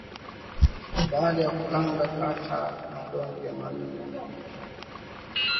baada ya kukanga kata madonge manne ya unga